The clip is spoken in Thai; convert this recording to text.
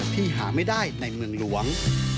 ที่หาไม่ได้ในเมืองหลวง